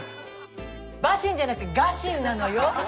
バシンじゃなくてガシンなのよ。